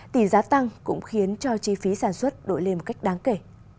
tỷ giá tăng cũng khiến cho chi phí sản xuất đổi lên một cách đáng kể